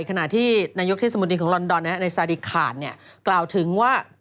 ขณะที่นายกที่สมดินของลอนดอนในซาดิคารกล่าวถึงว่า